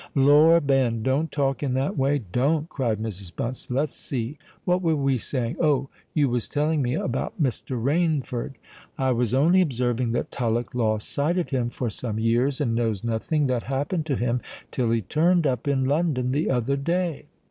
"Lor! Ben—don't talk in that way—don't!" cried Mrs. Bunce. "Let's see—what were we saying? Oh! you was telling me about Mr. Rainford." "I was only observing that Tullock lost sight of him for some years, and knows nothing that happened to him till he turned up in London the other day."